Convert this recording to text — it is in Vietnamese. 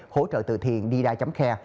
hỗ trợ từ thiện didai care